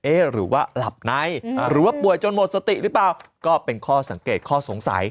หรือว่าหลับในหรือว่าป่วยจนหมดสติหรือเปล่าก็เป็นข้อสังเกตข้อสงสัย